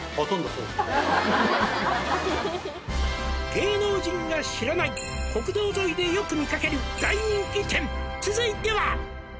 「芸能人が知らない」「国道沿いでよく見かける大人気店続いては」